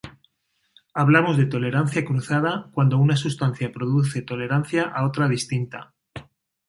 Hablamos de tolerancia cruzada cuando una sustancia produce tolerancia a otra distinta.